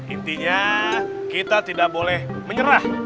intinya kita tidak boleh menyerah